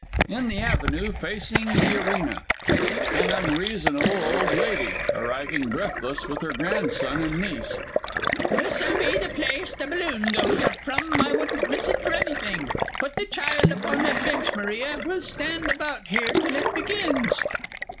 IN THE AVENUE FACING THE ARENA. AN UNREASONABLE OLD LADY (arriving breathless, with her grandson and niece). This'll be the place the balloon goes up from, I wouldn't miss it for anything! Put the child up on that bench, Maria; we'll stand about here till it begins.